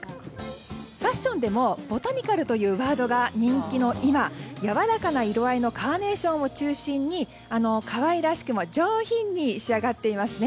ファッションでもボタニカルという言葉が人気の今やわらかな色合いのカーネーションを中心に可愛らしくも上品に仕上がっていますね。